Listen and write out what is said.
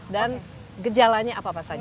dan gejalanya apa apa saja